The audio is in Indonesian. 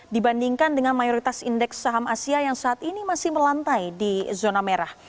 dibandingkan dengan mayoritas indeks saham asia yang saat ini masih melantai di zona merah